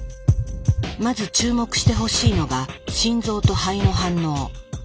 まず注目してほしいのが心臓と肺の反応。